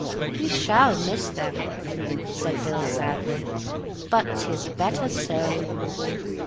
"We shall miss them," said Bill sadly, "but 'tis better so."